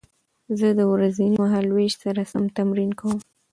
زه د ورځني مهالوېش سره سم تمرین کوم.